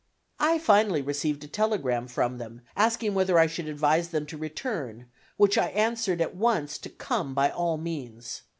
I finally received a telegram from them asking whether I would advise them to return, which I answered at once to come by all means.